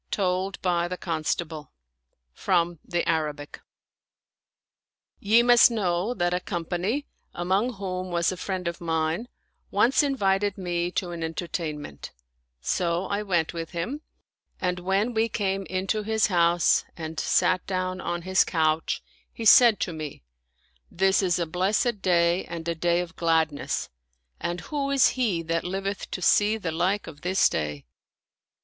To/J by the Constable From the Arabic Y^ must know that a company, among whom was a friend of mine, once invited me to an entertainment; so I went with him, and when we came into his house and sat down on his couch, he said to me, " This is a blessed day and a day of gladness, and who is he that liveth to see the like of this day?